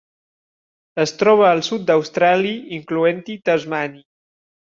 Es troba al sud d'Austràlia, incloent-hi Tasmània.